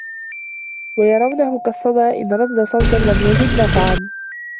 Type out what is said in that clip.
وَيَرَوْنَهُ كَالصَّدَى إنْ رَدَّ صَوْتًا لَمْ يَجِدْ نَفْعًا